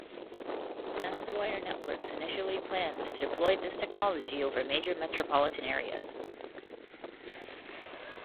Sanswire Networks initially plans to deploy this technology over major metropolitan areas.